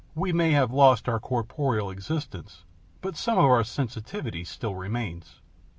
We may have lost our corporeal existence, but some of our sensitiveness still remains."